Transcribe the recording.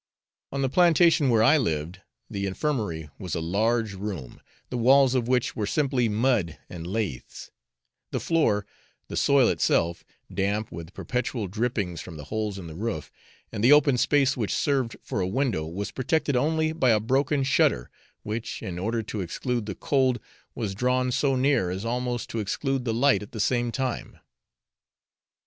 On the plantation where I lived the infirmary was a large room, the walls of which were simply mud and lathes the floor, the soil itself, damp with perpetual drippings from the holes in the roof, and the open space which served for a window was protected only by a broken shutter, which, in order to exclude the cold, was drawn so near as almost to exclude the light at the same time.